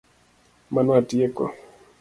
Mano atieko